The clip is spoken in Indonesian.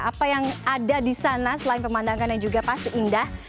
apa yang ada di sana selain pemandangan yang juga pasti indah